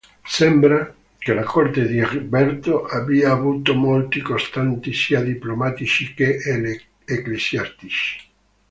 Sembra che la corte di Egberto abbia avuto molti contatti sia diplomatici che ecclesiastici.